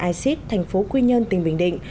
icit thành phố quy nhơn tỉnh bình định